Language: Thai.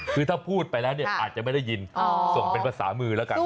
คือถ้าพูดไปแล้วเนี่ยอาจจะไม่ได้ยินส่งเป็นภาษามือแล้วกัน